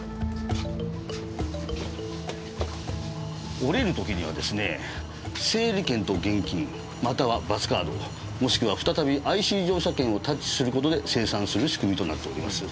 降りる時にはですねぇ整理券と現金またはバスカードもしくは再びＩＣ乗車券をタッチする事で精算する仕組みとなっております。